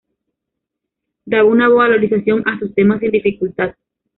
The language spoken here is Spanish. Daba una valorización a sus temas sin dificultad.